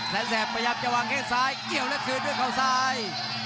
แสนแสบพยาบจะวางข้างซ้ายเกี่ยวและกลัวด้วยเขาซ้าย